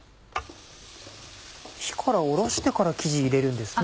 火から下ろしてから生地入れるんですね。